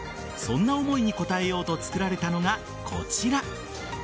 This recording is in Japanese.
そんな思いに応えようと作られたのがこちら。